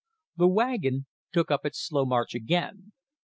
The wagon took up its slow march again.